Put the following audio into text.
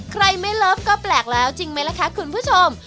ใครไม่เลิฟก็แปลกแล้วจริงไหมล่ะคะคุณผู้ชม